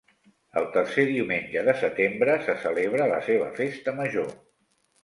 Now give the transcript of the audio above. El tercer diumenge de setembre se celebra la seva festa major.